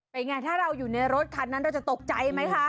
เป็นไงถ้าเราอยู่ในรถคันนั้นเราจะตกใจไหมคะ